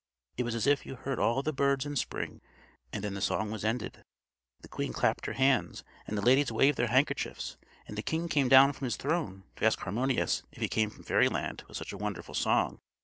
It was as if you heard all the birds in Spring. And then the song was ended. The queen clapped her hands, and the ladies waved their handkerchiefs, and the king came down from his throne to ask Harmonius if he came from fairyland with such a wonderful song.